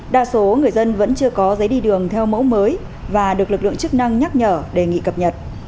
đa số người dân vẫn chưa có giấy đi đường theo mẫu mới và được lực lượng chức năng nhắc nhở đề nghị cập nhật